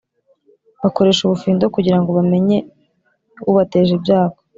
bakoresha ubufindo kugira ngo bamenye ubateje ibyago